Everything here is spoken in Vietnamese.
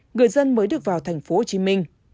người dân mới được vào tp hcm